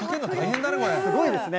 すごいですね。